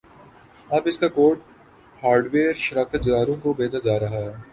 اب اسکا code hardware شراکت داروں کو بھیجا جارہا ہے